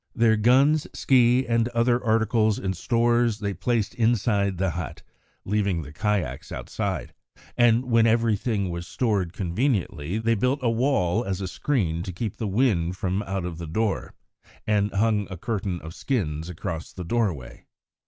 Their guns, ski, and other articles and stores, they placed inside the hut, leaving the kayaks outside; and when everything was stored conveniently, they built a wall as a screen to keep the wind from out of the door, and hung a curtain of skins across the doorway.